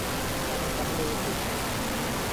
এখন তাহলে উঠি।